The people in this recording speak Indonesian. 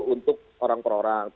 untuk orang per orang